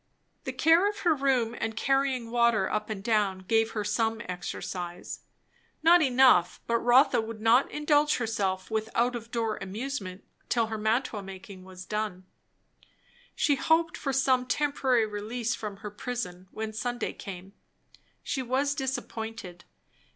The care of her room, and carrying water up and down, gave her some exercise; not enough; but Rotha would not indulge herself with out of door amusement till her mantua making was done. She hoped for some temporary release from her prison when Sunday came. She was disappointed.